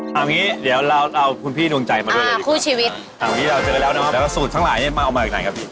ถามนี้เดี๋ยวเราเอาคุณพี่นวงใจมาด้วยเลยดีกว่า